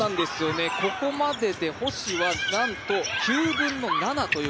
ここまでで星は、なんと９分の７。